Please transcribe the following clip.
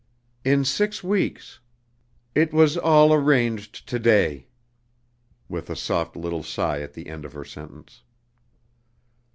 "In six weeks. It was all arranged to day" with a soft little sigh at the end of her sentence.